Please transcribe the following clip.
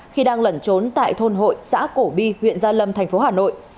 khi đang lẩn trốn tại thôn hội xã cổ bi huyện gia lâm thành phố hà nội